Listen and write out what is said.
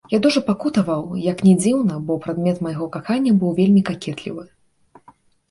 Я дужа пакутаваў, як ні дзіўна, бо прадмет майго кахання быў вельмі какетлівы.